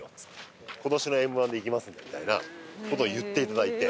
「今年のＭ−１で行きますんで」みたいな事を言っていただいて。